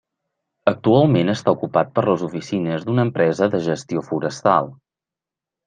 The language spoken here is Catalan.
Actualment està ocupat per les oficines d'una empresa de gestió forestal.